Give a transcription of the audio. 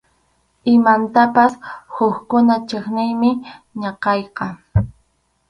Imamantapas hukkuna chiqniymi ñakayqa.